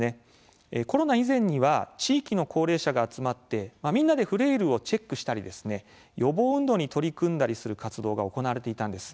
コロナ以前には地域の高齢者が集まってみんなでフレイルをチェックしたり予防運動に取り組んだりする活動が行われていたんです。